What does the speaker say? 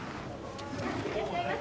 いらっしゃいませ。